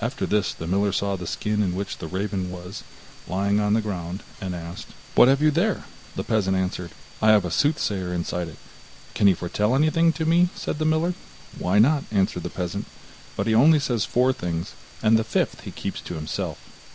After this the miller saw the skin in which the raven was, lying on the ground, and asked: 'What have you there?' The peasant answered: 'I have a soothsayer inside it.' 'Can he foretell anything to me?' said the miller. 'Why not?' answered the peasant: 'but he only says four things, and the fifth he keeps to himself.